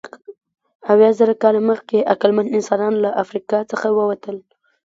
اویازره کاله مخکې عقلمن انسانان له افریقا څخه ووتل.